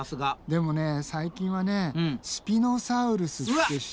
でもね最近はねスピノサウルスって知ってる？